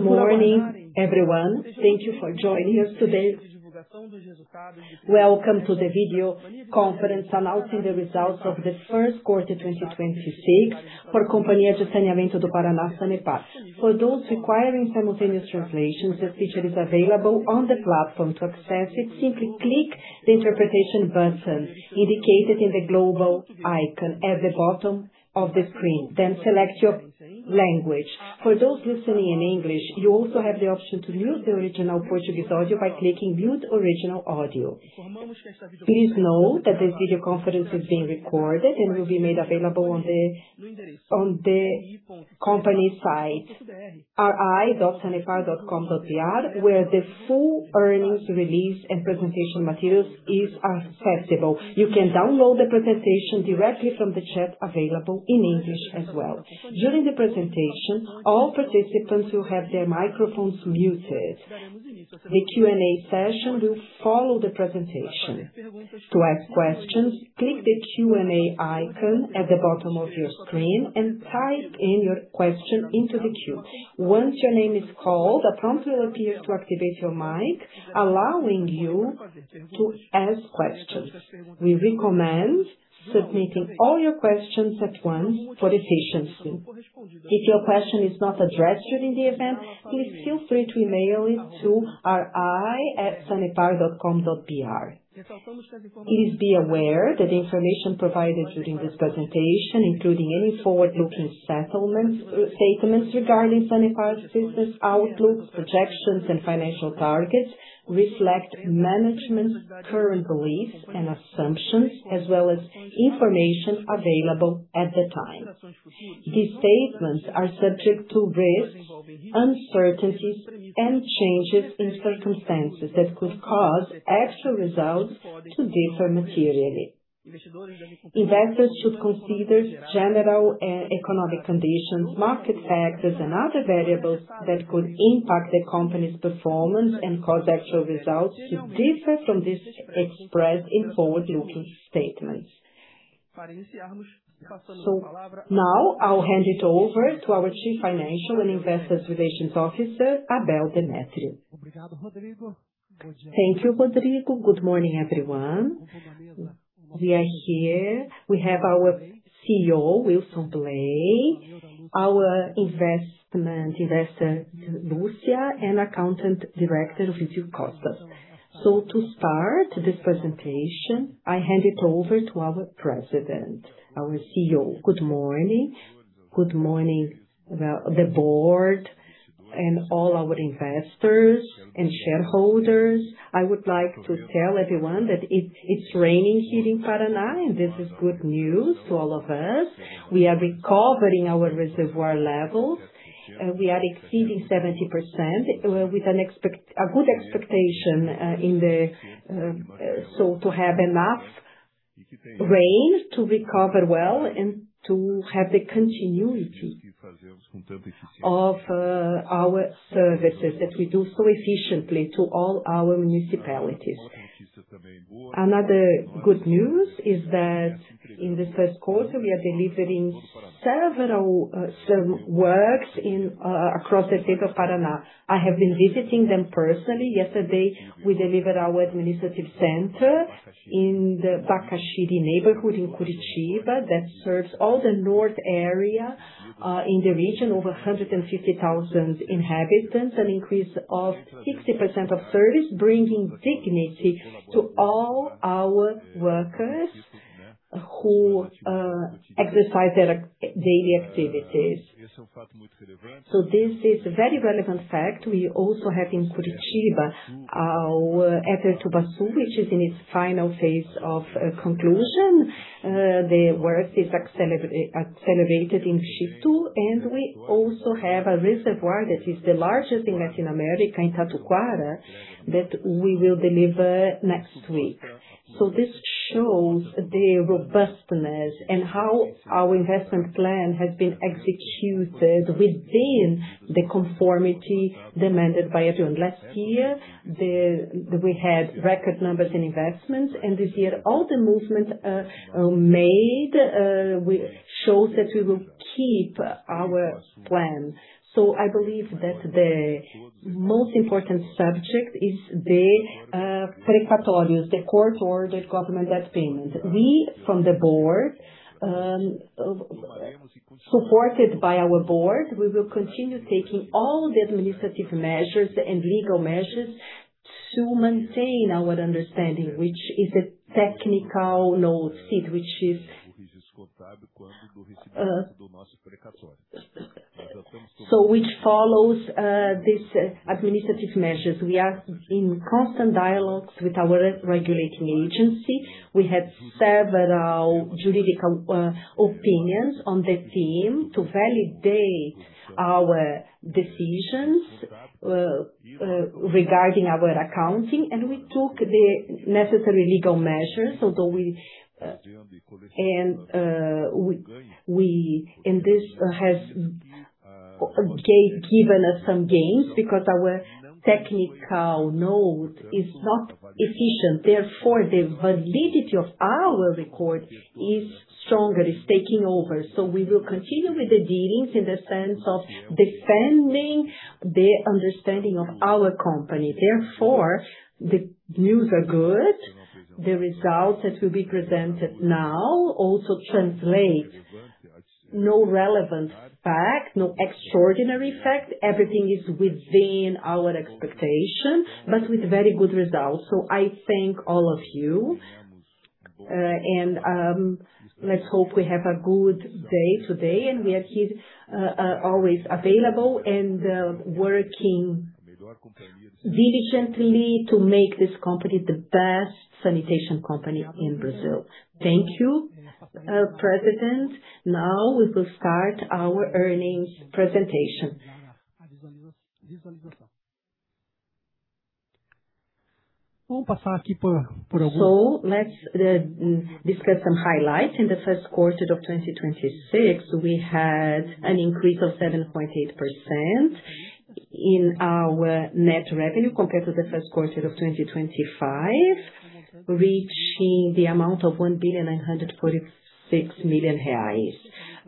Good morning, everyone. Thank you for joining us today. Welcome to the video conference announcing the results of the first quarter 2026 for Companhia de Saneamento do Paraná, Sanepar. For those requiring simultaneous translations, this feature is available on the platform. To access it, simply click the interpretation button indicated in the global icon at the bottom of the screen, then select your language. For those listening in English, you also have the option to mute the original Portuguese audio by clicking mute original audio. Please know that this video conference is being recorded and will be made available on the company site, ri.sanepar.com.br, where the full earnings release and presentation materials is accessible. You can download the presentation directly from the chat available in English as well. During the presentation, all participants will have their microphones muted. The Q&A session will follow the presentation. To ask questions, click the Q&A icon at the bottom of your screen and type in your question into the queue. Once your name is called, a prompt will appear to activate your mic, allowing you to ask questions. We recommend submitting all your questions at once for efficiency. If your question is not addressed during the event, please feel free to email it to ri@sanepar.com.br. Please be aware that information provided during this presentation, including any forward-looking statements regarding Sanepar's business outlook, projections, and financial targets, reflect management's current beliefs and assumptions, as well as information available at the time. These statements are subject to risks, uncertainties, and changes in circumstances that could cause actual results to differ materially. Investors should consider general economic conditions, market factors, and other variables that could impact the company's performance and cause actual results to differ from this expressed in forward-looking statements. Now, I'll hand it over to our Chief Financial and Investor Relations Officer, Abel Demétrio. Thank you, Rodrigo. Good morning, everyone. We are here. We have our CEO, Wilson Bley, our investor, Luciana Martins, and Accountant Director, Victor Costa. To start this presentation, I hand it over to our President, our CEO. Good morning. Good morning, the board and all our investors and shareholders. I would like to tell everyone that it's raining here in Paraná, and this is good news to all of us. We are recovering our reservoir levels. We are exceeding 70% with a good expectation in the so to have enough rain to recover well and to have the continuity of our services that we do so efficiently to all our municipalities. Another good news is that in the first quarter, we are delivering several works in across the state of Paraná. I have been visiting them personally. Yesterday, we delivered our administrative center in the Bacacheri neighborhood in Curitiba that serves all the north area in the region, over 150,000 inhabitants, an increase of 60% of service, bringing dignity to all our workers who exercise their daily activities. This is a very relevant fact. We also have in Curitiba our ETE Tubarão, which is in its final phase of conclusion. The work is accelerated in Xisto, and we also have a reservoir that is the largest in Latin America in Tatuquara that we will deliver next week. This shows the robustness and how our investment plan has been executed within the conformity demanded by everyone. Last year, we had record numbers in investments, and this year, all the movements made shows that we will keep our plan. I believe that the most important subject is the precatórios, the court-ordered government debt payment. We, from the board, supported by our board, we will continue taking all the administrative measures and legal measures to maintain our understanding, which is a technical note, which is which follows these administrative measures. We are in constant dialogues with our regulatory agency. We had several juridical opinions on the team to validate our decisions regarding our accounting, and we took the necessary legal measures. Do we, and this has given us some gains because our technical note is not efficient. The validity of our record is stronger, it's taking over. We will continue with the dealings in the sense of defending the understanding of our company. The news are good. The results that will be presented now also translate no relevant fact, no extraordinary fact. Everything is within our expectation, but with very good results. I thank all of you, and let's hope we have a good day today, and we are here always available and working diligently to make this company the best sanitation company in Brazil. Thank you. President, now we will start our earnings presentation. Let's discuss some highlights. In the first quarter of 2026, we had an increase of 7.8% in our net revenue compared to the first quarter of 2025, reaching the amount of 1.146 billion reais.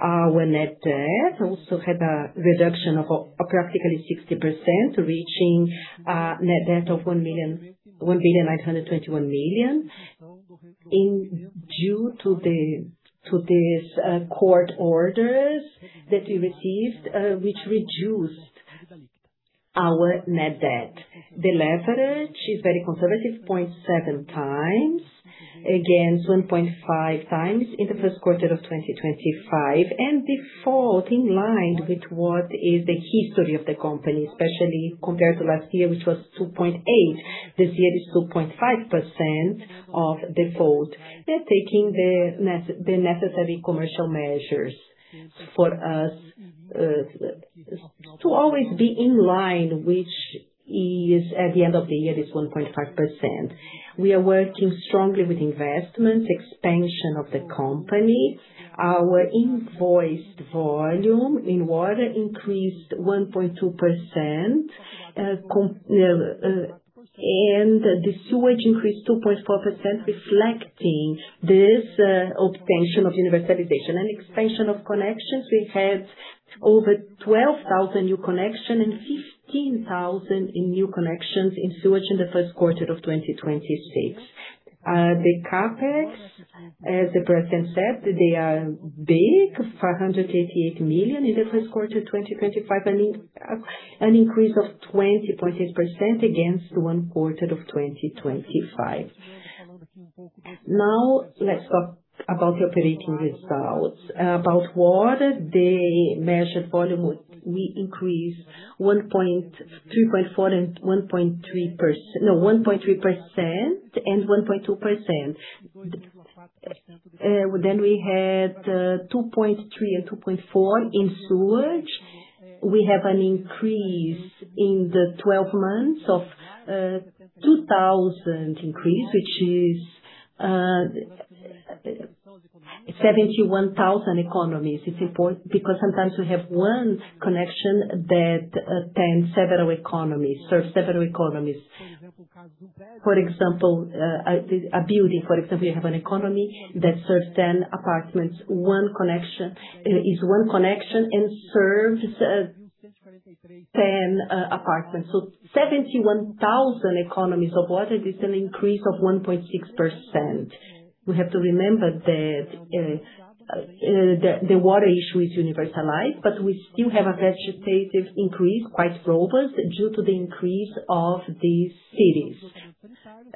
Our net debt also had a reduction of practically 60%, reaching net debt of 1.921 billion. Due to these precatórios that we received, which reduced our net debt. The leverage is very conservative, 0.7x, against 1.5x in the first quarter of 2025. Default in line with what is the history of the company, especially compared to last year, which was 2.8%. This year is 2.5% of default. We're taking the necessary commercial measures for us to always be in line, which is, at the end of the year, is 1.5%. We are working strongly with investments, expansion of the company. Our invoiced volume in water increased 1.2%, and the sewage increased 2.4%, reflecting this expansion of universalization and expansion of connections. We had over 12,000 new connection and 15,000 in new connections in sewage in the first quarter of 2026. The CapEx, as the president said, they are big, 488 million in the first quarter 2025, an increase of 20.8% against one quarter of 2025. Let's talk about the operating results. About water, the measured volume we increased 2.4 and no, 1.3% and 1.2%. Then we had 2.3 and 2.4 in sewage. We have an increase in the 12 months of 2,000 increase, which is 71,000 economies. It's important because sometimes we have one connection that serves several economies. For example, a building, for example, you have an economy that serves 10 apartments. One connection is one connection and serves 10 apartments. 71,000 economies of water is an increase of 1.6%. We have to remember that the water issue is universalized, but we still have a vegetative increase, quite robust, due to the increase of these cities.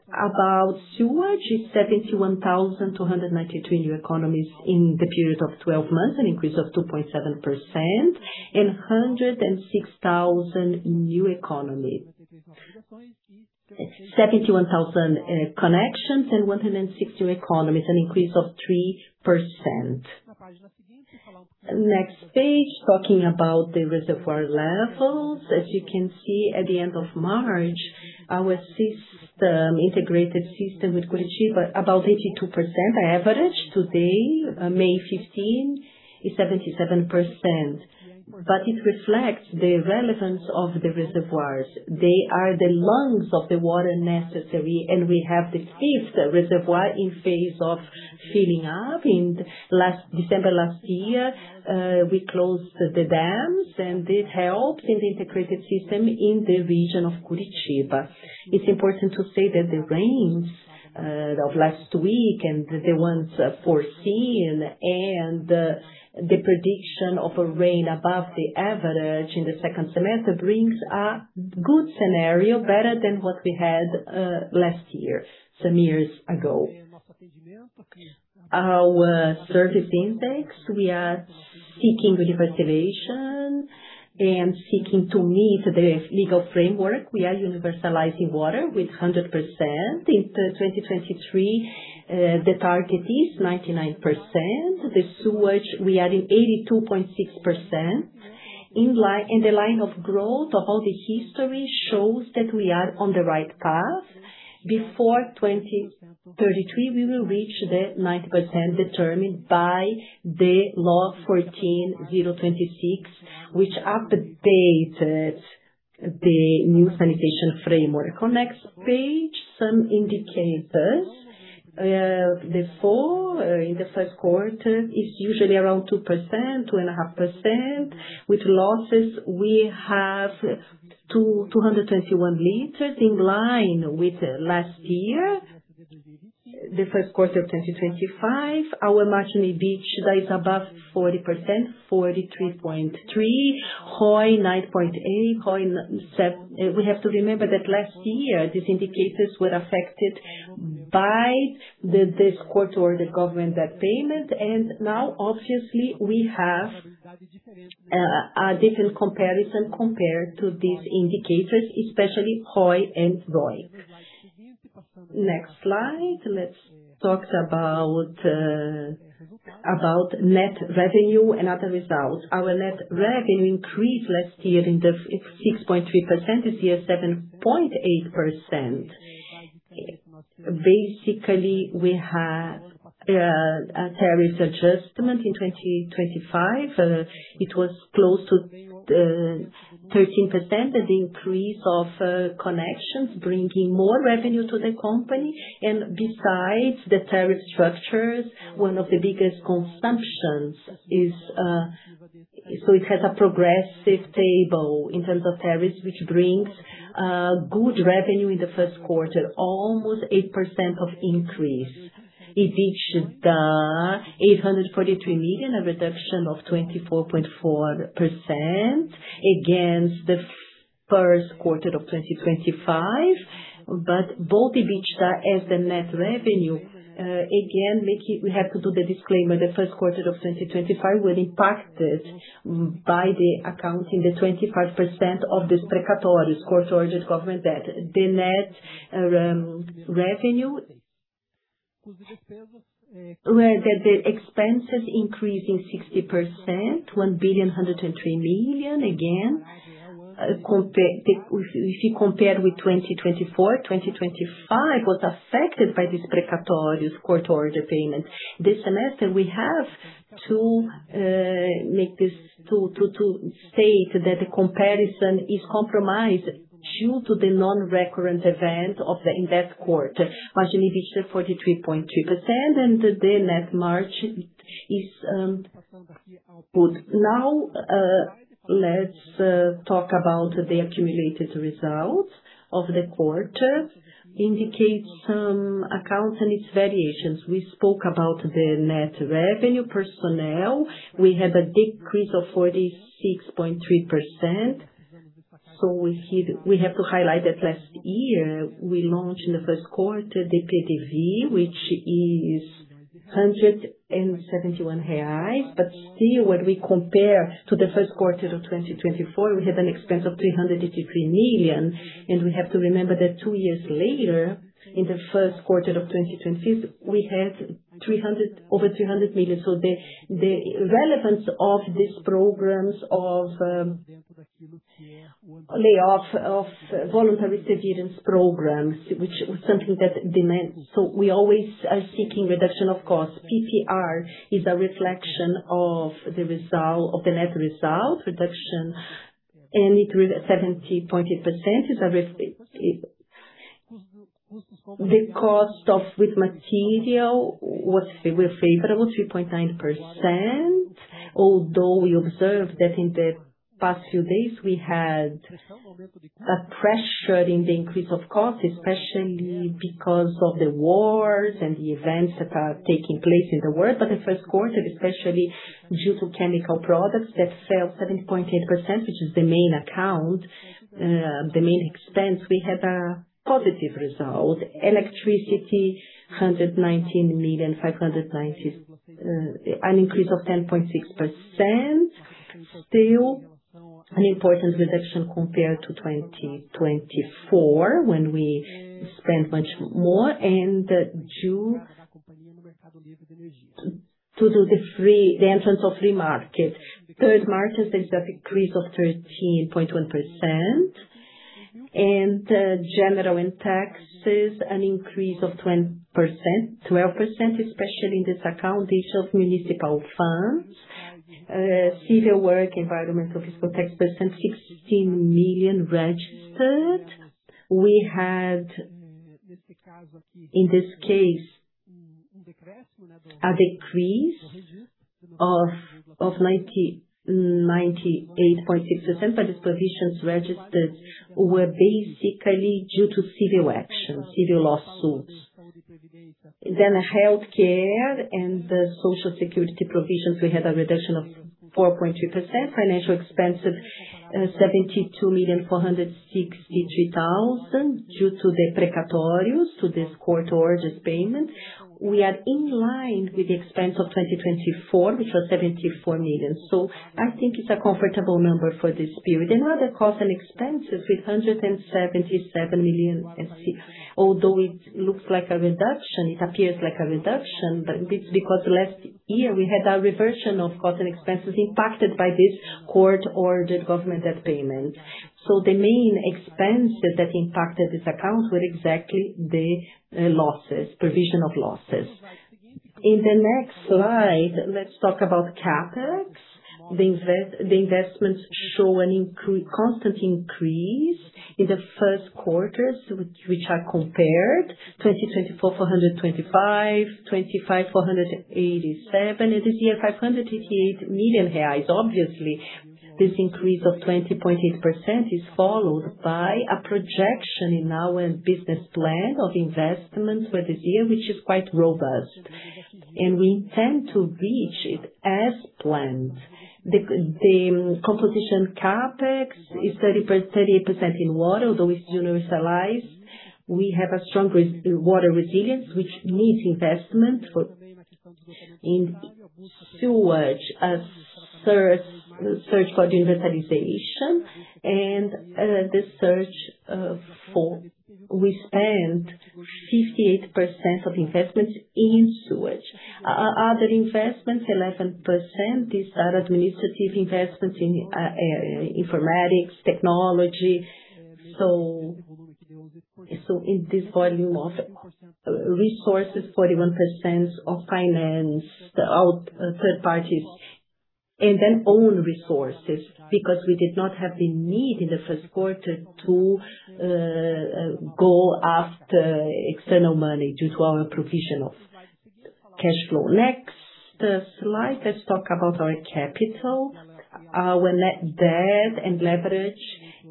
About sewage, it's 71,292 new economies in the period of 12 months, an increase of 2.7% and 106,000 new economy. 71,000 connections and 160 economies, an increase of 3%. Next page, talking about the reservoir levels. As you can see, at the end of March, our integrated system with Curitiba, about 82% average. Today, May 15, is 77%. It reflects the relevance of the reservoirs. They are the lungs of the water necessary, and we have the fifth reservoir in phase of filling up. In December last year, we closed the dams, and this helped in the integrated system in the region of Curitiba. It's important to say that the rains of last week and the ones foreseen and the prediction of a rain above the average in the second semester brings a good scenario, better than what we had last year, some years ago. Our service index, we are seeking universalization and seeking to meet the legal framework. We are universalizing water with 100%. In 2023, the target is 99%. The sewage, we are in 82.6%. In the line of growth of all the history shows that we are on the right path. Before 2033, we will reach the 9% determined by the Lei 14.026, which updated the new sanitation framework. On next page, some indicators. The fall in the first quarter is usually around 2%, 2.5%. With losses, we have 221 L in line with last year, the first quarter of 2025. Our margin EBITDA is above 40%, 43.3%. ROI 9.8%. We have to remember that last year, these indicators were affected by this court or the government debt payment. Now obviously we have a different comparison compared to these indicators, especially ROI and ROE. Next slide. Let's talk about net revenue and other results. Our net revenue increased last year in the 6.3%, this year 7.8%. Basically, we had a tariff adjustment in 2025. It was close to 13%. An increase of connections bringing more revenue to the company. Besides the tariff structures, one of the biggest consumptions is. It has a progressive table in terms of tariffs, which brings good revenue in the first quarter, almost 8% of increase. EBITDA, BRL 843 million, a reduction of 24.4% against the first quarter of 2025. Both EBITDA as the net revenue, again, we have to do the disclaimer. The first quarter of 2025 were impacted by the accounting, the 25% of the precatórios, court ordered government debt. The net revenue, where the expenses increased in 60%, BRL 1.103 billion. Again, if you compare with 2024, 2025 was affected by these precatórios court ordered payments. This semester we have to make this to state that the comparison is compromised due to the non-recurrent event of the, in that quarter. Margin EBITDA 43.2% and the net margin is good. Let's talk about the accumulated results of the quarter. Indicates some accounts and its variations. We spoke about the net revenue personnel. We had a decrease of 46.3%. We have to highlight that last year we launched in the first quarter the PDV, which is 171 reais. When we compare to the first quarter of 2024, we had an expense of 383 million. We have to remember that two years later, in the first quarter of 2025, we had over 300 million. The relevance of these programs of layoff of voluntary severance programs, which was something that demand. We always are seeking reduction of costs. PPR is a reflection of the net result reduction, and it grew to 70.8%. The cost of material was favorable, 3.9%. We observed that in the past few days we had a pressure in the increase of costs, especially because of the wars and the events that are taking place in the world. The first quarter, especially due to chemical products that fell 17.8%, which is the main account, the main expense, we had a positive result. Electricity, 119,000,590, an increase of 10.6%. Still an important reduction compared to 2024 when we spent much more and due to the entrance of free market. Third parties, there's an increase of 13.1%. General and taxes, an increase of 12%, especially in this account of municipal funds. Civil work, environmental, physical, tax person, 16 million registered. We had, in this case, a decrease of 98.6%, but these provisions registered were basically due to civil action, civil lawsuits. Healthcare and the social security provisions, we had a reduction of 4.2%. Financial expenses, 72,463,000 due to the precatórios, to this court ordered payment. We are in line with the expense of 2024, which was 74 million. I think it's a comfortable number for this period. Other costs and expenses, 377 million. See, although it looks like a reduction, it appears like a reduction, but this because last year we had a reversion of costs and expenses impacted by this precatórios. The main expenses that impacted this account were exactly the losses, provision of losses. In the next slide, let's talk about CapEx. The investments show a constant increase in the first quarters which are compared. 2024, 425. 2025, 487. This year, 588 million reais. Obviously, this increase of 20.8% is followed by a projection in our business plan of investments for this year, which is quite robust. We intend to reach it as planned. The composition CapEx is 38% in water, although it's universalized. We have a strong water resilience, which needs investment in sewage as search for universalization and the search for We spend 58% of investments in sewage. Other investments, 11%. These are administrative investments in informatics, technology. In this volume of resources, 41% of finance, our third parties, and then own resources, because we did not have the need in the first quarter to go after external money due to our provision of cash flow. Next slide, let's talk about our capital. Our net debt and leverage,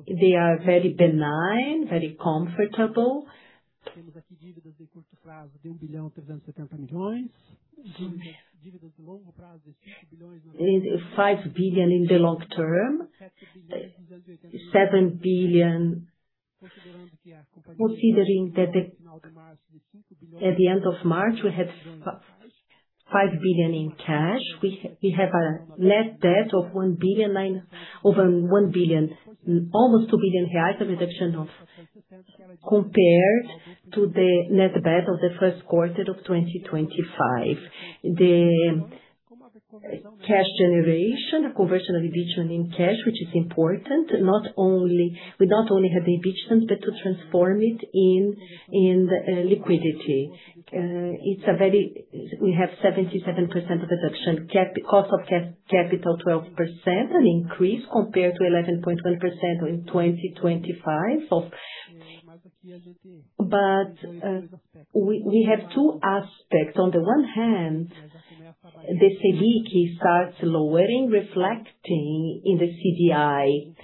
they are very benign, very comfortable. 5 billion in the long term. 7 billion, considering that at the end of March, we have 5 billion in cash. We have a net debt of over 1 billion, almost 2 billion reais. A reduction of compared to the net debt of the first quarter of 2025. The cash generation, conversion of EBITDA in cash, which is important. We not only have the EBITDA, but to transform it in liquidity. We have 77% reduction. Cost of capital 12%, an increase compared to 11.1% in 2025. We have two aspects. On the one hand, the CDI starts lowering, reflecting in the CDI,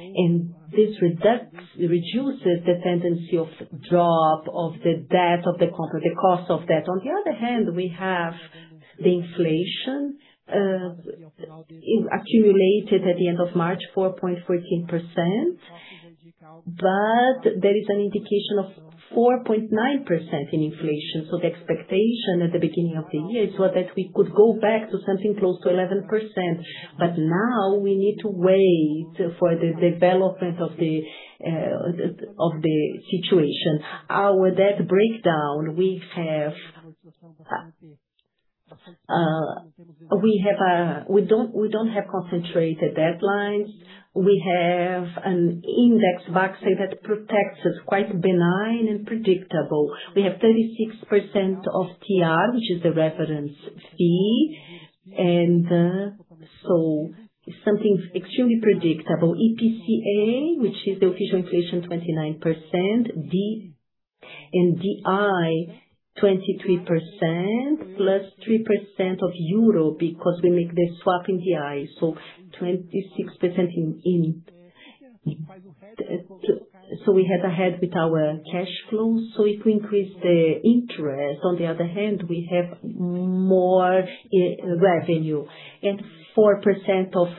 this reduces the tendency of drop of the cost of debt. On the other hand, we have the inflation accumulated at the end of March, 4.14%. There is an indication of 4.9% in inflation. The expectation at the beginning of the year was that we could go back to something close to 11%. Now we need to wait for the development of the situation. Our debt breakdown, we have, we don't have concentrated deadlines. We have an index vaccine that protects us, quite benign and predictable. We have 36% of TR, which is the reference fee. Something extremely predictable. IPCA, which is the official inflation, 29%. DI, 23%, +3% of euro because we make the swap in DI. 26% we have ahead with our cash flows. If we increase the interest, on the other hand, we have more revenue. 4% of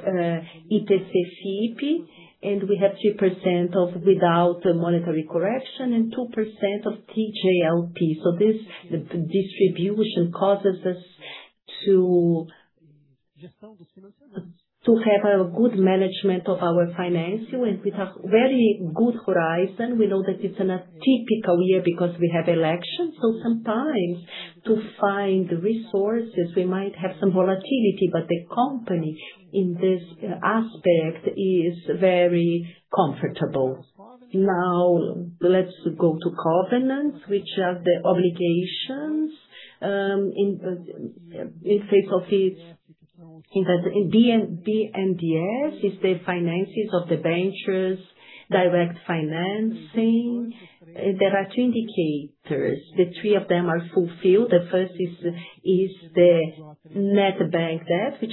IPCA-E, we have 2% of without the monetary correction, 2% of TJLP. This distribution causes us to have a good management of our financial, with a very good horizon. We know that it's an atypical year because we have elections. Sometimes to find resources, we might have some volatility. The company, in this aspect, is very comfortable. Now let's go to covenants, which are the obligations, in face of it. In the BNDES is the finances of the ventures, direct financing. There are two indicators. The three of them are fulfilled. The first is the net bank debt, which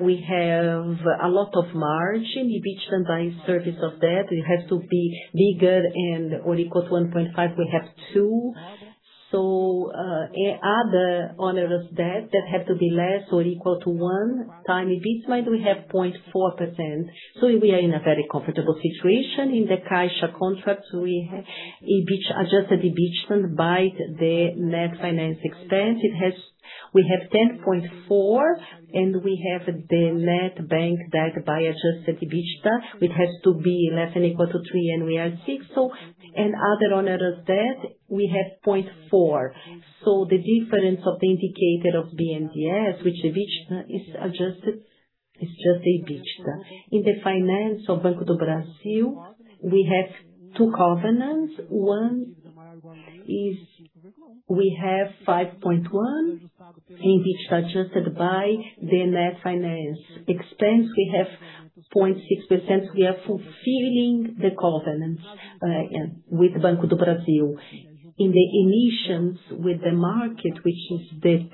We have a lot of margin, EBITDA in service of debt. It has to be bigger and/or equal to 1.5. We have two. Other onerous debt that have to be less than or equal to 1x EBITDA, we have 0.4%. We are in a very comfortable situation. In the Caixa contracts, Adjusted EBITDA by the net finance expense, we have 10.4, and we have the net bank debt by adjusted EBITDA, which has to be less than or equal to three, and we are six. Other onerous debt, we have 0.4. The difference of the indicator of BNDES, which EBITDA is adjusted. It's just the EBITDA. In the finance of Banco do Brasil, we have two covenants. One is we have 5.1 in which adjusted by the net finance expense, we have 0.6%. We are fulfilling the covenant with Banco do Brasil. In the emissions with the market, which is the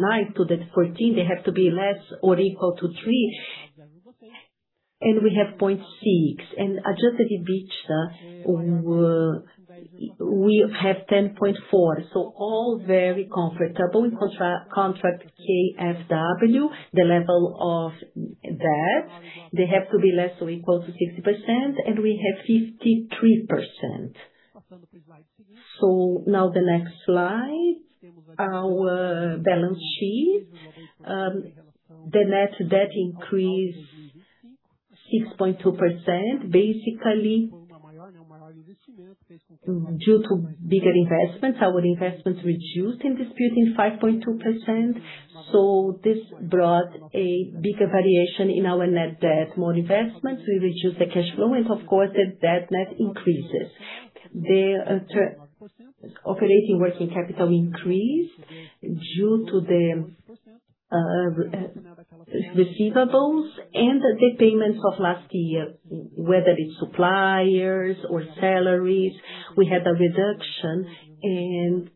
nine to 14, they have to be less or equal to three, and we have 0.6. Adjusted EBITDA, we have 10.4. All very comfortable. In contra-contract KfW, the level of debt, they have to be less or equal to 60%, and we have 53%. Now the next slide, our balance sheet. The net debt increased 6.2%, basically due to bigger investments. Our investments reduced in this period in 5.2%. This brought a bigger variation in our net debt. More investments, we reduced the cash flow and of course, the debt net increases. The operating working capital increased due to the receivables and the payments of last year. Whether it's suppliers or salaries, we had a reduction in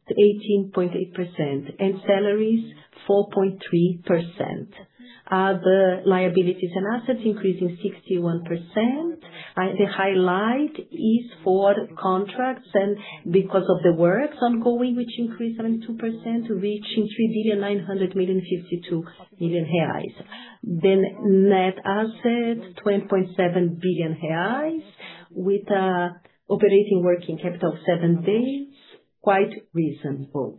18.8%, and salaries 4.3%. Other liabilities and assets increased in 61%. The highlight is for contracts and because of the works ongoing, which increased 72%, reaching 3.952 billion reais. The net asset, BRL 27 billion, with operating working capital of seven days, quite reasonable.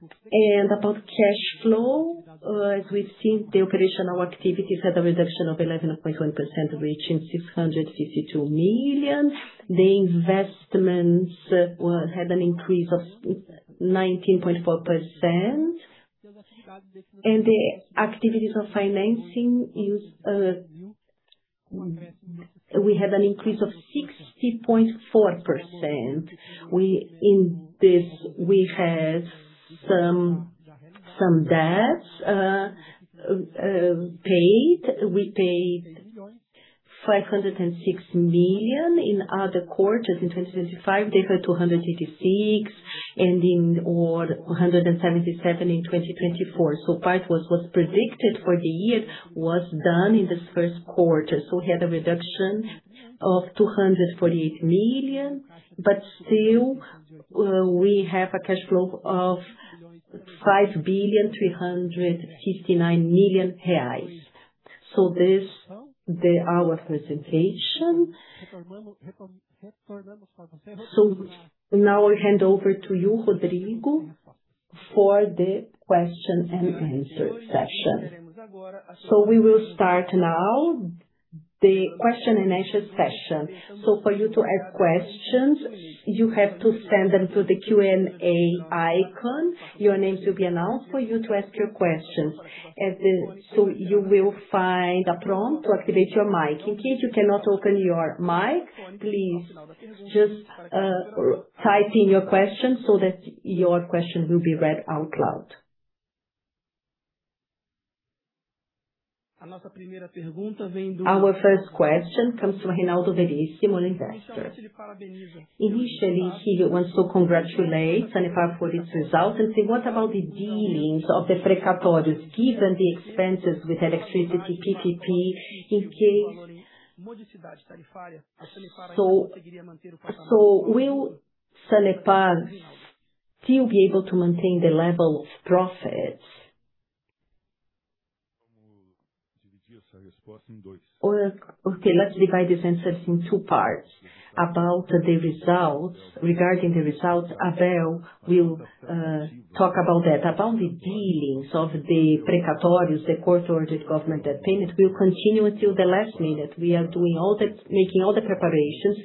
About cash flow, as we've seen, the operational activities had a reduction of 11.1%, reaching 652 million. The investments had an increase of 19.4%. The activities of financing is, we had an increase of 60.4%. In this, we had some debts paid. We paid 506 million in other quarters. In 2025, they were 266, or 177 in 2024. Part was predicted for the year was done in this first quarter. We had a reduction of 248 million. Still, we have a cash flow of 5 billion reais, 359 million. This is our presentation. Now I hand over to you, Rodrigo, for the question and answer session. We will start now the question and answer session. For you to ask questions, you have to send them to the Q&A icon. Your name will be announced for you to ask your question. You will find a prompt to activate your mic. In case you cannot open your mic, please just type in your question so that your question will be read out loud. Our first question comes from Ronaldo Verissimo, investor. Initially, he wants to congratulate Sanepar for its results and say, what about the dealings of the precatórios, given the expenses with electricity PPP in case. Will Sanepar still be able to maintain the level of profits? Okay, let's divide this answer in two parts. About the results, regarding the results, Abel will talk about that. About the dealings of the precatórios, the court-ordered government debt payment, will continue until the last minute. We are making all the preparations.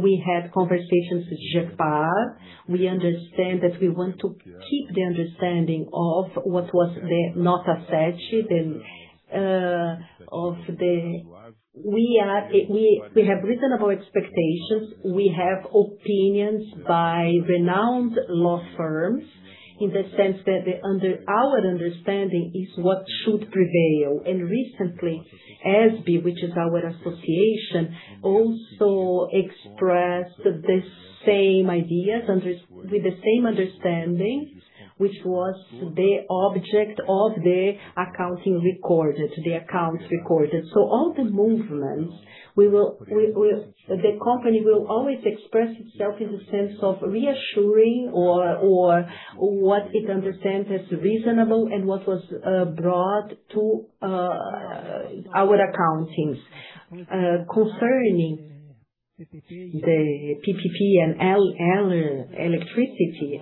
We had conversations with Agepar. We understand that we want to keep the understanding of what was the Nota Técnica. We have reasonable expectations. We have opinions by renowned law firms, in the sense that our understanding is what should prevail. Recently, Aesbe, which is our association, also expressed the same ideas, with the same understanding, which was the object of the accounts recorded. All the movements, the company will always express itself in the sense of reassuring or, what it understands as reasonable and what was brought to our accountings. Concerning the PPP and L-LR electricity,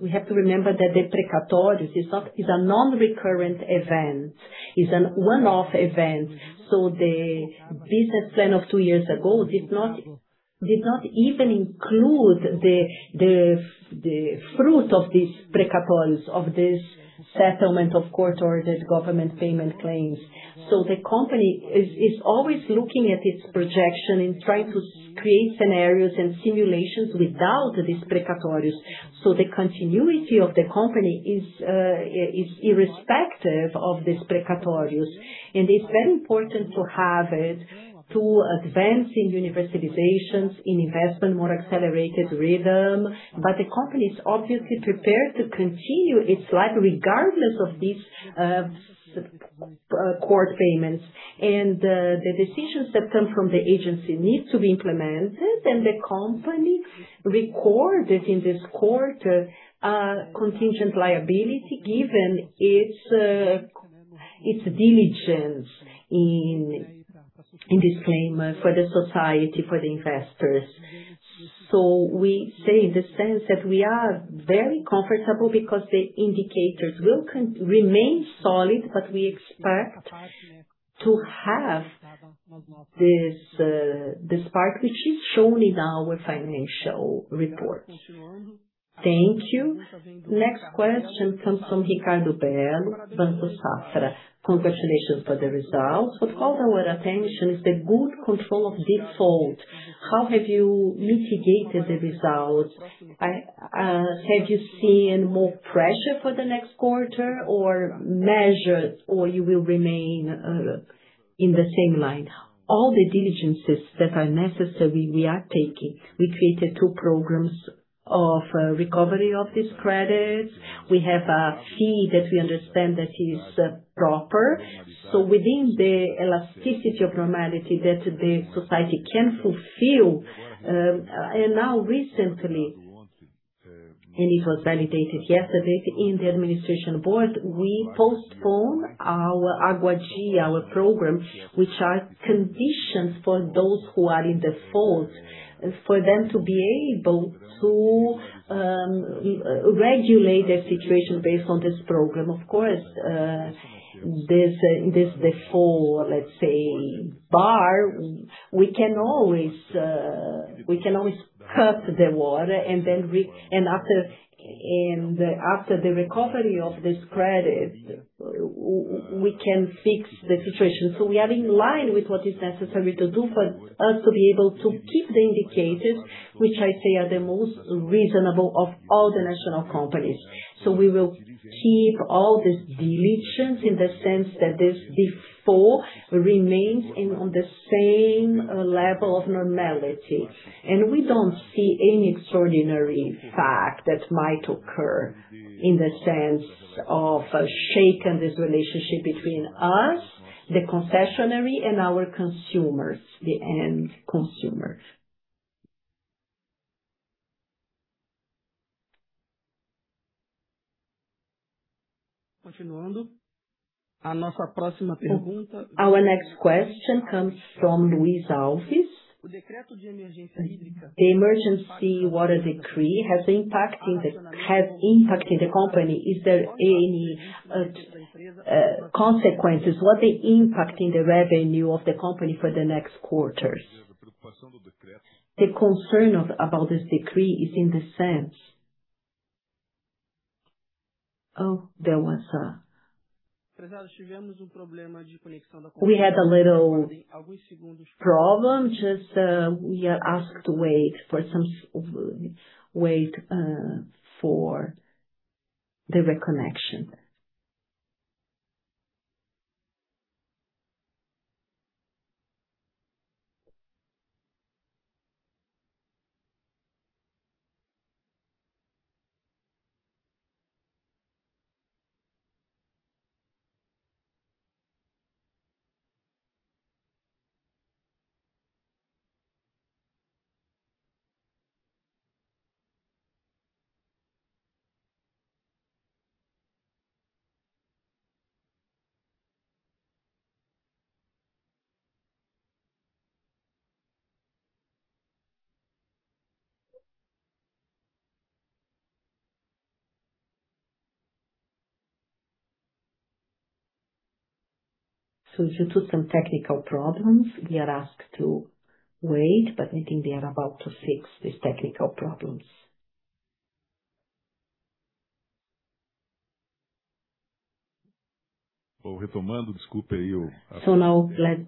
we have to remember that the precatórios is a non-recurrent event, is an one-off event. The business plan of two years ago did not even include the fruit of these precatórios, this settlement of court or this government payment claims. The company is always looking at its projection and trying to create scenarios and simulations without these precatórios. The continuity of the company is irrespective of these precatórios. It's very important to have it to advance in universalizations, in investment, more accelerated rhythm. The company is obviously prepared to continue its life regardless of these court payments. The decisions that come from the agency needs to be implemented. The company recorded in this quarter contingent liability given its diligence in disclaimer for the society, for the investors. We say in the sense that we are very comfortable because the indicators will remain solid, but we expect to have this part which is shown in our financial report. Thank you. Next question comes from Ricardo Bello, Banco Safra. Congratulations for the results. What called our attention is the good control of default. How have you mitigated the results? Have you seen more pressure for the next quarter or measures or you will remain in the same line? All the diligences that are necessary, we are taking. We created two programs of recovery of these credits. We have a fee that we understand that is proper. Within the elasticity of normality that the society can fulfill, now recently, and it was validated yesterday in the administration board, we postpone our Água, our program, which are conditions for those who are in default, for them to be able to regulate their situation based on this program. Of course, this default, let's say bar, we can always, we can always cut the water and then and after the recovery of this credit, we can fix the situation. We are in line with what is necessary to do for us to be able to keep the indicators, which I say are the most reasonable of all the national companies. We will keep all this diligence in the sense that this default remains in, on the same level of normality. We don't see any extraordinary fact that might occur in the sense of shaking this relationship between us, the concessionary and our consumers, the end consumers. Our next question comes from Luis Alves. The emergency water decree has impacted the company. Is there any consequences? Was it impacting the revenue of the company for the next quarters? The concern of, about this decree is in the sense. We had a little problem. Just, we are asked to wait for some, wait, for the reconnection. Due to some technical problems, we are asked to wait, but I think we are about to fix these technical problems. Now let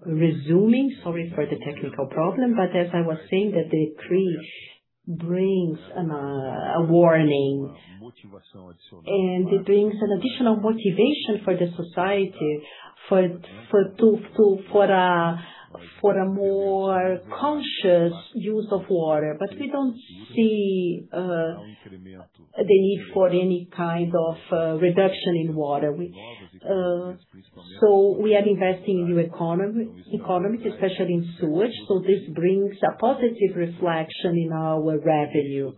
resuming, sorry for the technical problem. As I was saying that the decree brings a warning, and it brings an additional motivation for the society for a more conscious use of water. We don't see the need for any kind of reduction in water. We are investing in new economic, especially in sewage. This brings a positive reflection in our revenue.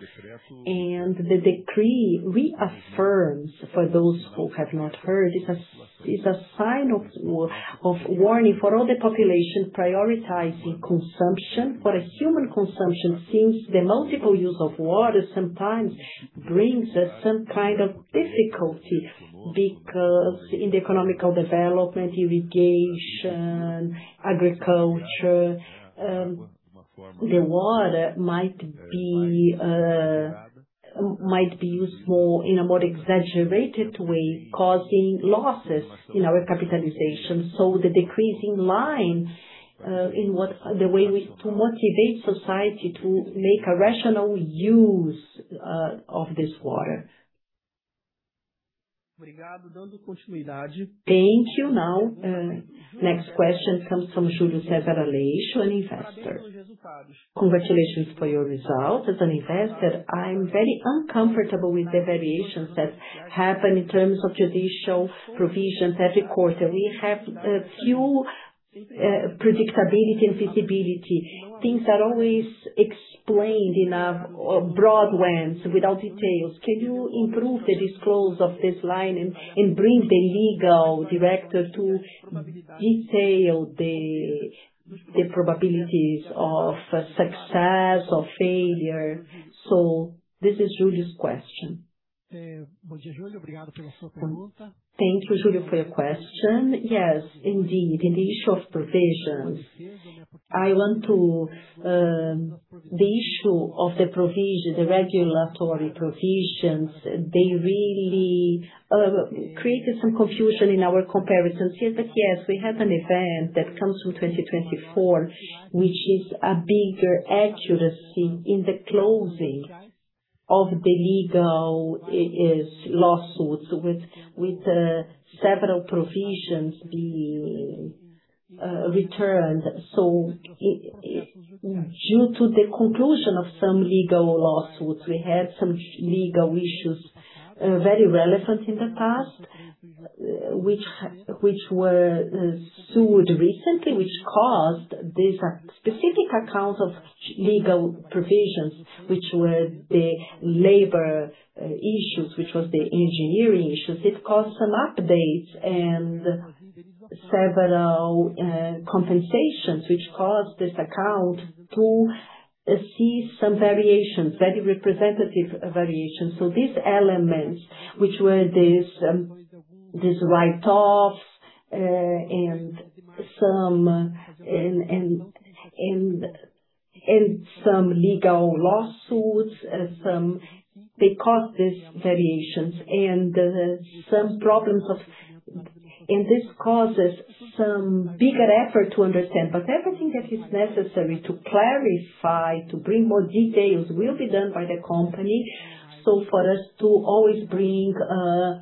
The decree reaffirms, for those who have not heard, it's a sign of warning for all the population prioritizing consumption. For a human consumption seems the multiple use of water sometimes brings us some kind of difficulty because in the economical development, irrigation, agriculture, the water might be used more in a more exaggerated way, causing losses in our capitalization. The decrease in line to motivate society to make a rational use of this water. Thank you. Next question comes from Julio Cesar Aleixo, an investor. Congratulations for your results. As an investor, I'm very uncomfortable with the variations that happen in terms of judicial provisions every quarter. We have few predictability and visibility. Things are always explained in a broad ones without details. Can you improve the disclose of this line and bring the legal director to detail the probabilities of success or failure? This is Julio's question. Thank you, Julio, for your question. Yes, indeed. In the issue of provisions, The issue of the provision, the regulatory provisions, they really created some confusion in our comparisons. Yes, we have an event that comes from 2024, which is a bigger accuracy in the closing of the legal lawsuits with several provisions being returned. Due to the conclusion of some legal lawsuits, we had some legal issues very relevant in the past, which were sued recently, which caused this specific account of Legal provisions, which were the labor issues, which was the engineering issues. It caused some updates and several compensations, which caused this account to see some variations, very representative variations. These elements, which were these write-offs, and some legal lawsuits, They caused these variations and some problems of This causes some bigger effort to understand. Everything that is necessary to clarify, to bring more details will be done by the company. For us to always bring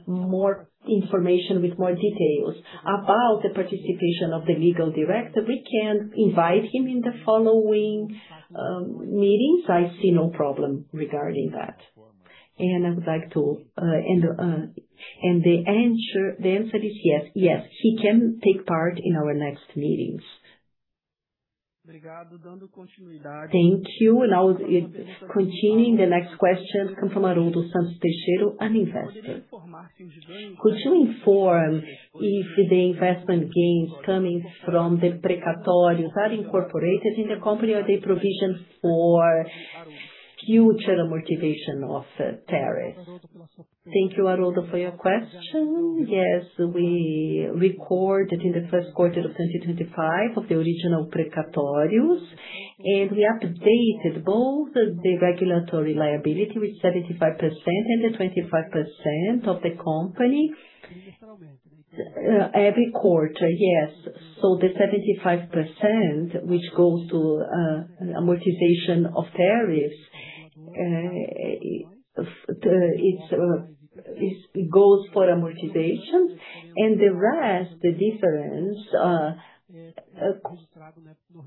more information with more details. About the participation of the legal director, we can invite him in the following meetings. I see no problem regarding that. I would like to and the answer is yes. Yes, he can take part in our next meetings. Thank you. Now, continuing, the next question comes from Aroldo Santos Teixeira, an investor. Could you inform if the investment gains coming from the precatórios are incorporated in the company or the provision for future amortization of tariff? Thank you, Aroldo, for your question. Yes, we recorded in the first quarter of 2025 of the original precatórios, and we updated both the regulatory liability with 75% and the 25% of the company every quarter. Yes. The 75% which goes to amortization of tariffs, it goes for amortization. The rest, the difference,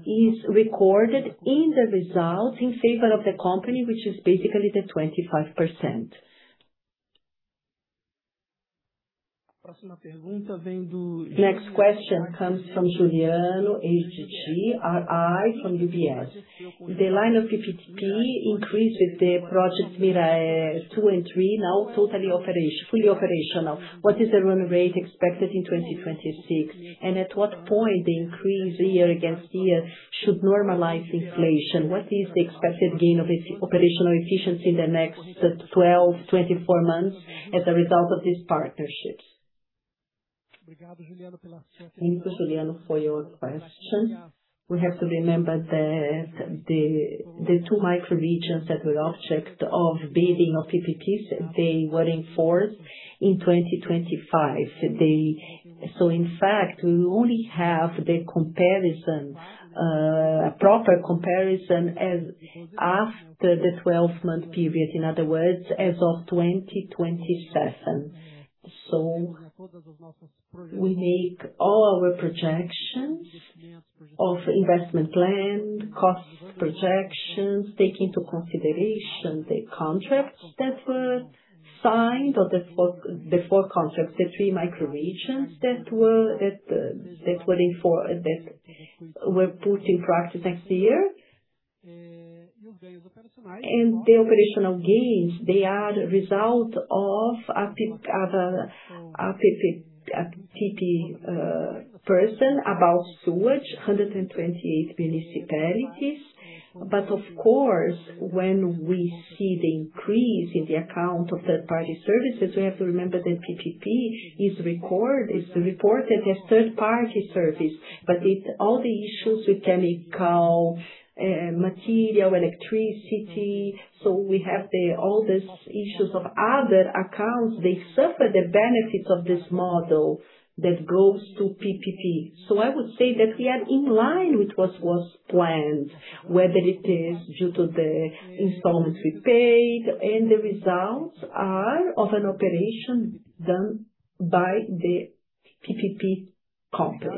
is recorded in the results in favor of the company, which is basically the 25%. Next question comes from Giuliano Ajeje from UBS. The line of PPP increased with the project Microrregião two and three now fully operational. What is the run rate expected in 2026? At what point the increase year against year should normalize inflation? What is the expected gain of its operational efficiency in the next 12, 24 months as a result of this partnership? Thank you, Giuliano, for your question. We have to remember that the two micro-regions that were object of bidding of PPPs, they were enforced in 2025. In fact, we only have the comparison, a proper comparison as after the 12-month period, in other words, as of 2027. We make all our projections of investment plan, cost projections, take into consideration the contracts that were signed or the four contracts, the three micro-regions that were put in practice next year. The operational gains, they are the result of a PPP person about sewage, 128 municipalities. Of course, when we see the increase in the account of third-party services, we have to remember that PPP is reported as third-party service. All the issues with chemical material, electricity. We have all these issues of other accounts, they suffer the benefits of this model that goes to PPP. So I would say that we are in line with what was planned, whether it is due to the installments we paid and the results are of an operation done by the PPP company. Thank you.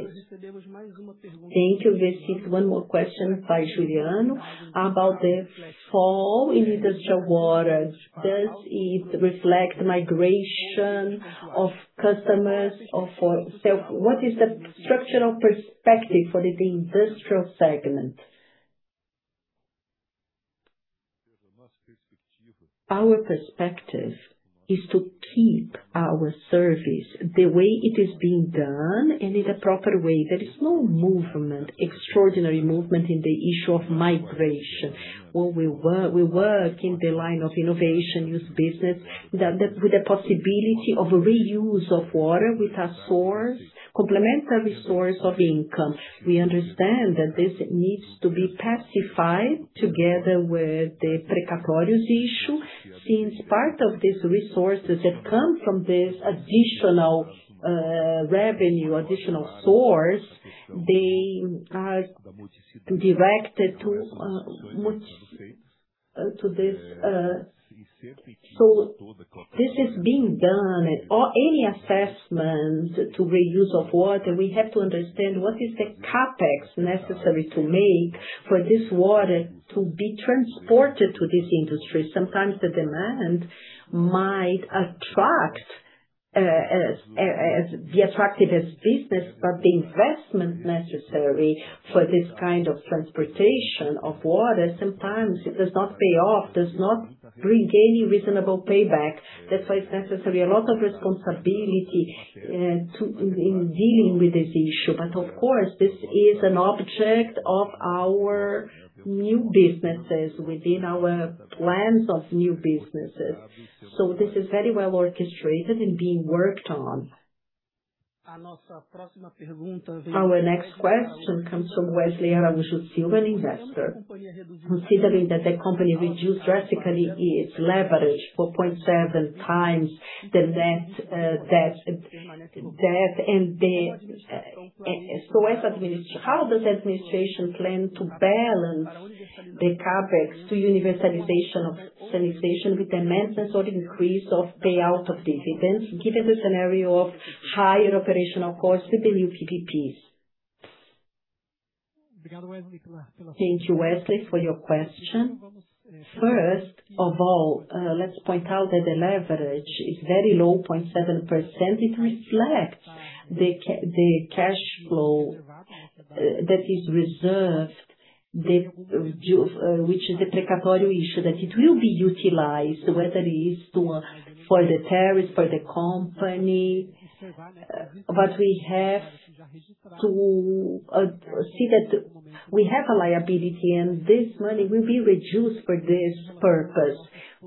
This is one more question by Giuliano about the fall in industrial waters. Does it reflect migration of customers or what is the structural perspective for the industrial segment? Our perspective is to keep our service the way it is being done and in a proper way. There is no movement, extraordinary movement in the issue of migration. Where we work in the line of innovation, new business, the possibility of reuse of water with a source, complementary source of income. We understand that this needs to be pacified together with the precatórios issue, since part of these resources that come from this additional revenue, additional source, they are directed to this. This is being done. Any assessment to reuse of water, we have to understand what is the CapEx necessary to make for this water to be transported to this industry. Sometimes the demand might attract, as be attractive as business, the investment necessary for this kind of transportation of water, sometimes it does not pay off, does not bring any reasonable payback. That's why it's necessary a lot of responsibility, in dealing with this issue. Of course, this is an object of our new businesses within our plans of new businesses. This is very well orchestrated and being worked on. Our next question comes from Wesley Araujo, an investor. Considering that the company reduced drastically its leverage 4.7x the net debt and how does administration plan to balance the CapEx to universalization of sanitization with the immense or increase of payout of dividends, given the scenario of higher operational costs with the new PPPs? Thank you, Wesley, for your question. First of all, let's point out that the leverage is very low, 0.7%. It reflects the cash flow that is reserved, which is the precatórios issue, that it will be utilized, whether it is to for the tariffs, for the company. We have to see that we have a liability and this money will be reduced for this purpose.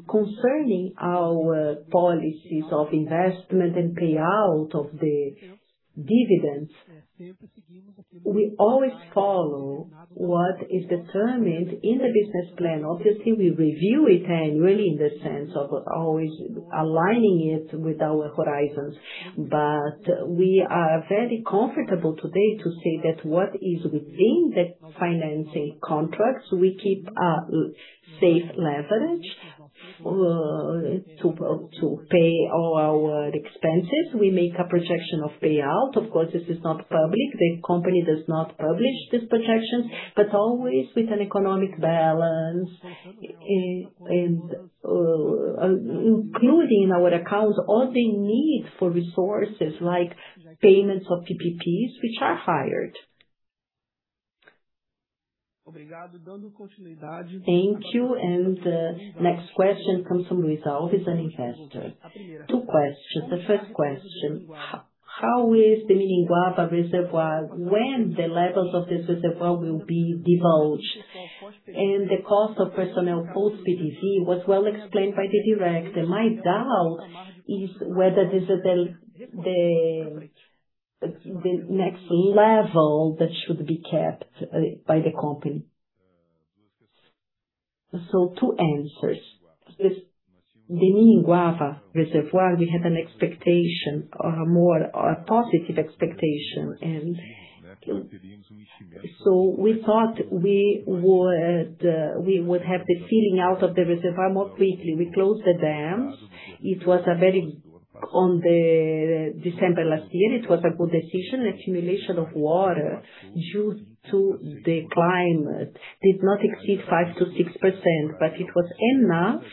Concerning our policies of investment and payout of the dividends, we always follow what is determined in the business plan. Obviously, we review it annually in the sense of always aligning it with our horizons. We are very comfortable today to say that what is within the financing contracts, we keep a safe leverage to pay all our expenses. We make a projection of payout. Of course, this is not public. The company does not publish this projection, always with an economic balance and including our accounts, all they need for resources like payments of PPPs which are hired. Thank you. The next question comes from Luis Alves, an investor. Two questions. The first question, how is the Miringuava Reservoir, when the levels of this reservoir will be divulged? The cost of personnel post-PPR was well explained by the Director. My doubt is whether this is the next level that should be kept by the company. Two answers. This Miringuava Reservoir, we had an expectation, more a positive expectation. We thought we would have the filling out of the reservoir more quickly. We closed the dams. On the December last year, it was a good decision. The accumulation of water due to the climate did not exceed 5% to 6%, but it was enough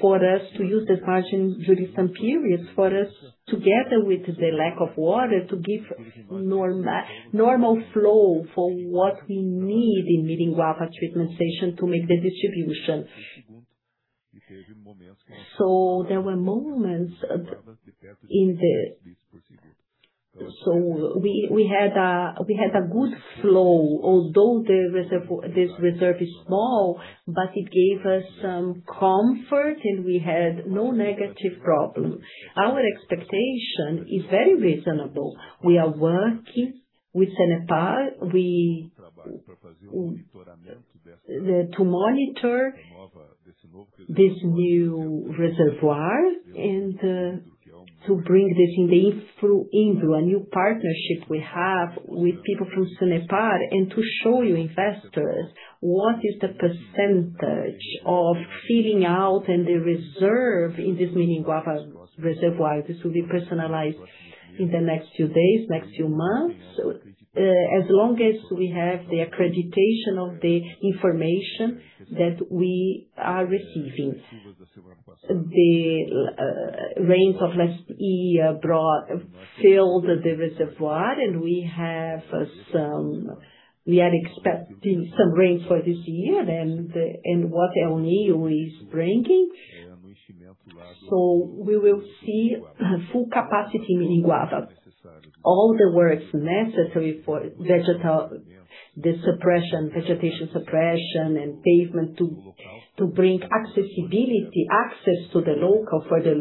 for us to use the margin during some periods for us, together with the lack of water, to give normal flow for what we need in Miringuava Treatment Station to make the distributions. There were moments. We had a good flow although this reserve is small, but it gave us some comfort, and we had no negative problem. Our expectation is very reasonable. We are working with Sanepar. We to monitor this new reservoir and to bring this into a new partnership we have with people from Sanepar and to show you investors what is the percentage of filling out and the reserve in this Miringuava reservoir. This will be personalized in the next few days, next few months. As long as we have the accreditation of the information that we are receiving. The rains of last year filled the reservoir and we are expecting some rain for this year than what El Niño is bringing. We will see full capacity in Miringuava. All the works necessary for vegetation suppression and pavement to bring accessibility, access to the local for the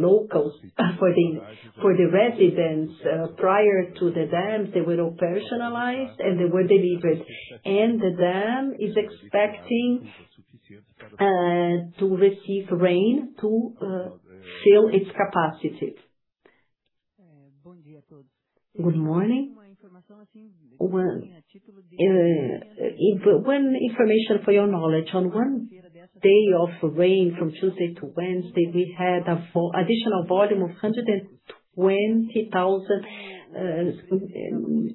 residents. Prior to the dams, they were all personalized, and they were delivered. The dam is expecting to receive rain to fill its capacity. Good morning. One information for your knowledge. On one day of rain from Tuesday to Wednesday, we had a full additional volume of 120,000 M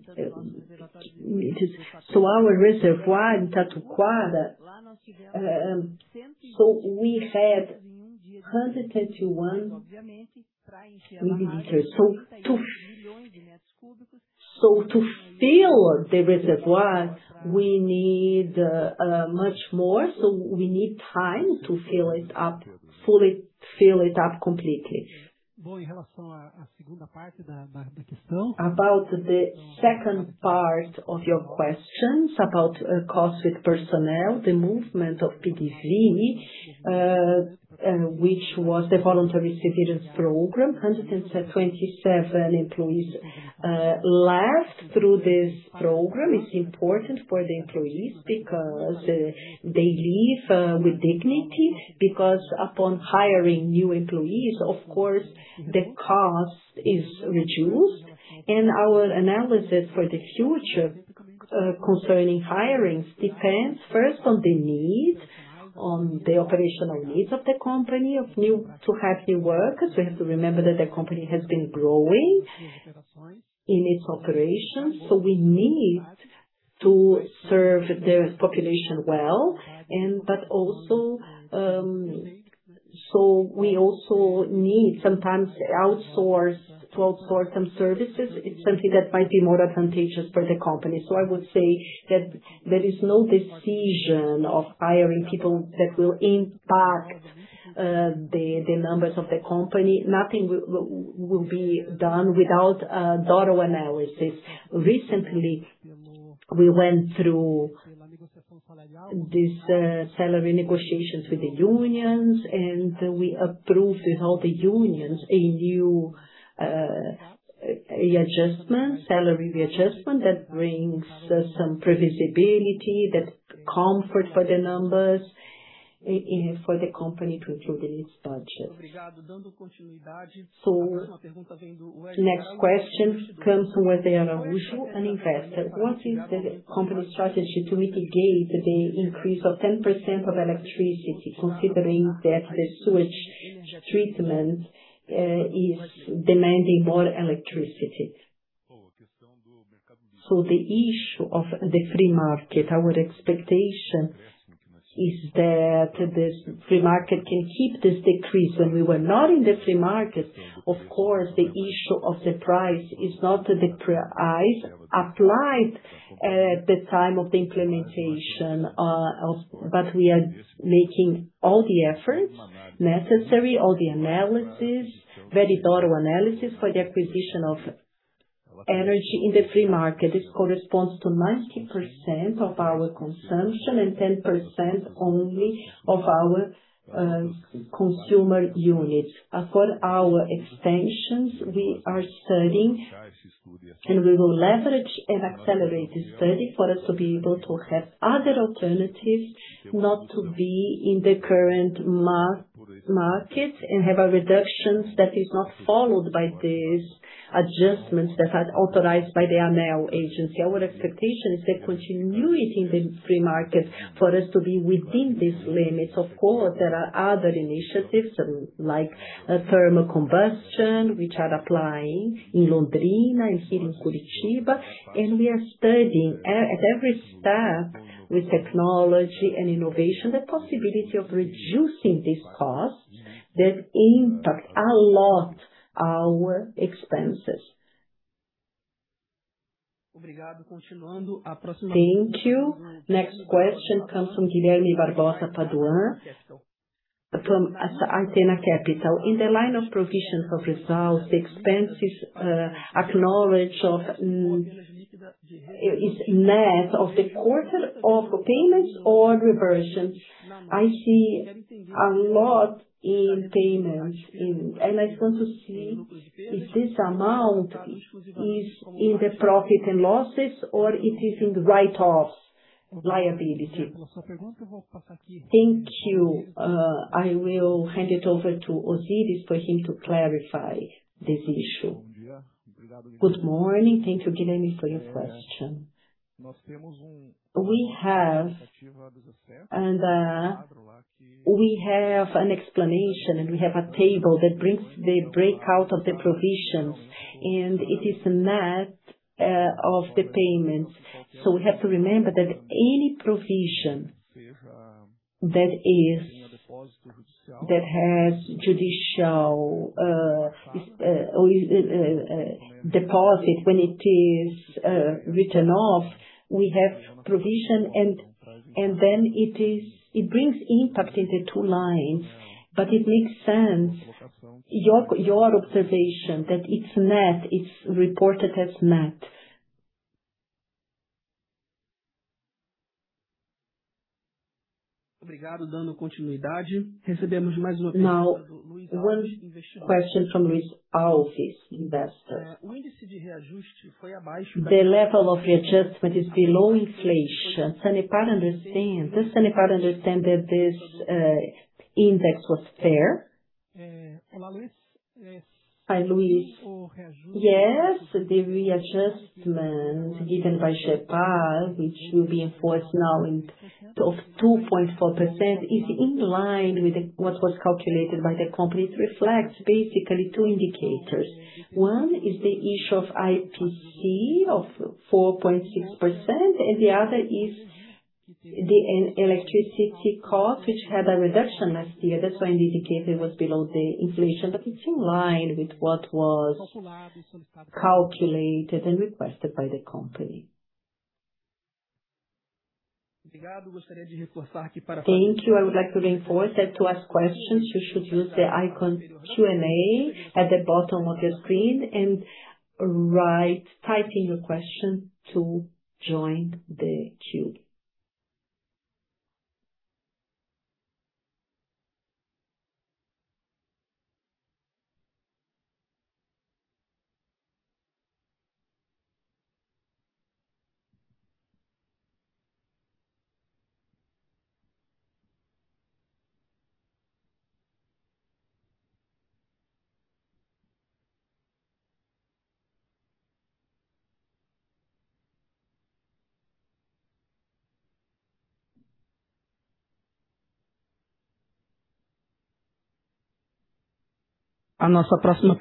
to our reservoir in Tatuquara. We had 121 L. To fill the reservoir, we need much more, we need time to fill it up, fully fill it up completely. About the second part of your questions about costs with personnel, the movement of PDV, which was the voluntary severance program. 127 employees left through this program. It's important for the employees because they leave with dignity. Upon hiring new employees, of course, the cost is reduced. Our analysis for the future concerning hirings depends first on the need, on the operational needs of the company to have new workers. We have to remember that the company has been growing in its operations, so we need to serve the population well. But also, we also need sometimes to outsource some services. It's something that might be more advantageous for the company. I would say that there is no decision of hiring people that will impact the numbers of the company. Nothing will be done without a thorough analysis. Recently, we went through this salary negotiations with the unions, and we approved with all the unions a new adjustment, salary adjustment that brings some predictability, that comfort for the numbers and for the company to include in its budget. Next question comes from Wesley Araujo, an investor. What is the company strategy to mitigate the increase of 10% of electricity, considering that the sewage treatment is demanding more electricity? The issue of the free market, our expectation is that the free market can keep this decrease. When we were not in the free market, of course, the issue of the price is not the price applied at the time of the implementation. We are making all the efforts necessary, all the analysis, very thorough analysis for the acquisition of energy in the free market. This corresponds to 90% of our consumption and 10% only of our consumer units. As for our expansions, we are studying, and we will leverage and accelerate this study for us to be able to have other alternatives not to be in the current market and have a reduction that is not followed by these adjustments that are authorized by the ANEEL agency. Our expectation is the continuity in the free market for us to be within these limits. Of course, there are other initiatives, like thermal combustion, which are applying in Londrina and here in Curitiba. We are studying at every step with technology and innovation the possibility of reducing these costs that impact a lot our expenses. Thank you. Next question comes from Guilherme Barbosa Padoan from Atena Capital. In the line of provisions of results, the expenses acknowledge of is net of the quarter of payments or reversions. I see a lot in payments and I want to see if this amount is in the profit and loss or it is in the write-off liability. Thank you. I will hand it over to Ozires for him to clarify this issue. Good morning. Thank you, Guilherme, for your question. We have an explanation, and we have a table that brings the breakout of the provisions, and it is net of the payments. We have to remember that any provision that has judicial deposit when it is written off, we have provision and then it brings impact in the two lines. It makes sense, your observation that it's net, it's reported as net. One question from Luis Alves, investor. The level of readjustment is below inflation. Sanepar understands. Does Sanepar understand that this index was fair? Hi, Luis. Yes, the readjustment given by Agepar, which will be enforced now in of 2.4%, is in line with what was calculated by the company. It reflects basically two indicators. One is the issue of IPCA of 4.6%, the other is the electricity cost, which had a reduction last year. That's why an indicator was below the inflation. It's in line with what was calculated and requested by the company. Thank you. I would like to reinforce that to ask questions, you should use the icon Q&A at the bottom of your screen type in your question to join the queue. Our next question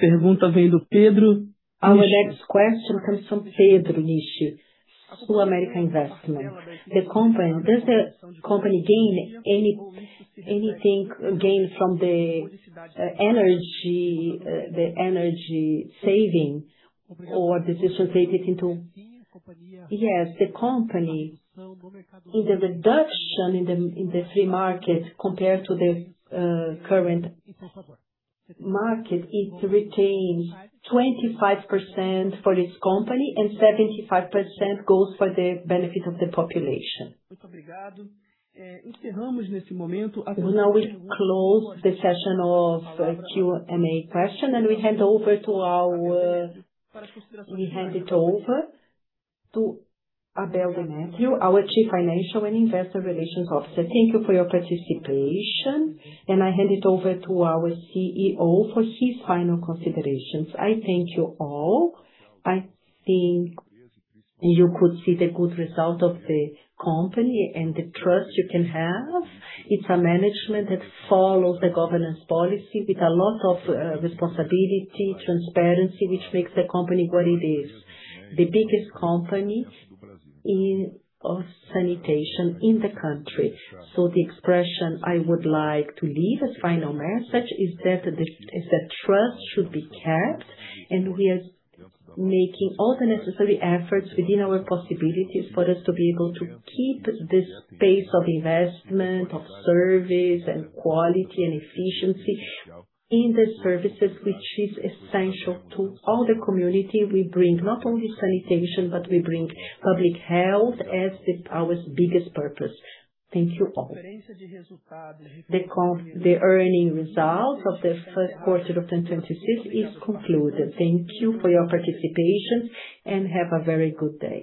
comes from Pedro Nirschl, SulAmérica Investimentos. Does the company gain anything gained from the energy, the energy saving or this is translated into. Yes, the company in the reduction in the, in the free market compared to the current market, it retains 25% for its company and 75% goes for the benefit of the population. Now we close the session of Q&A question, we hand over to our, we hand it over to Abel Demétrio, our Chief Financial and Investor Relations Officer. Thank you for your participation, I hand it over to our CEO for his final considerations. I thank you all. I think you could see the good result of the company and the trust you can have. It's a management that follows the governance policy with a lot of responsibility, transparency, which makes the company what it is. The biggest company of sanitation in the country. The expression I would like to leave as final message is that trust should be kept, we are making all the necessary efforts within our possibilities for us to be able to keep this space of investment, of service and quality and efficiency in the services which is essential to all the community. We bring not only sanitation, we bring public health as our biggest purpose. Thank you all. The earning results of the first quarter of 2026 is concluded. Thank you for your participation, have a very good day.